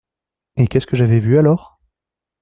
Et qu’est-ce j’avais vu alors ?